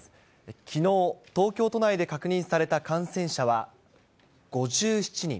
きのう、東京都内で確認された感染者は、５７人。